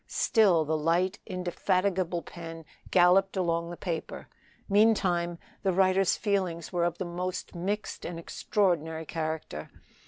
Still the light, indefatigable pen galloped along the paper. Meantime the writer's feelings were of the most mixed and extraordinary character.